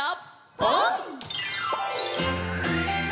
「ぽん」！